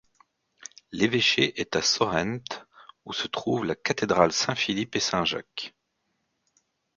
L'évêché est à Sorrente où se trouve la cathédrale Saint-Philippe-et-Saint-Jacques.